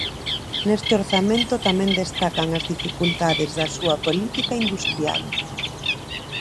Neste orzamento tamén destacan as dificultades da súa política industrial.